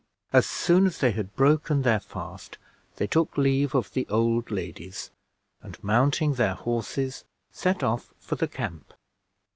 As soon as they had broken their fast they took leave of the old ladies, and mounting their horses set off for the camp.